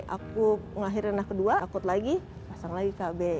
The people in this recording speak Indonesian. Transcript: aku ngelahirin anak kedua takut lagi pasang lagi kb